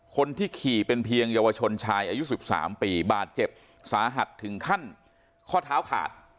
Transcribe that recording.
คนที่ขี่เป็นเพียงเยาวชนชายอายุ๑๓ปีบาดเจ็บสาหัสถึงขั้นข้อเท้าขาด